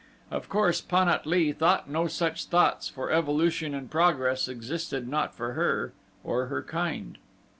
Of course Pan at lee thought no such thoughts, for evolution and progress existed not for her, or her kind.